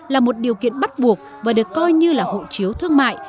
là một điều kiện bắt buộc và được coi như là hộ chiếu thương mại